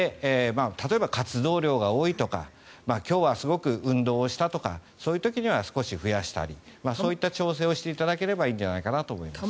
例えば活動量が多いとか今日はすごく運動をしたとかそういう時には少し増やしたりそういった調整をしていただければいいんじゃないかなと思います。